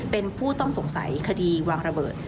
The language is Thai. เป็นผู้ต้องสงสัยคดีวางระเบิด